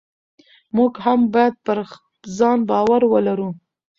موږ هم باید پر ځان باور ولرو.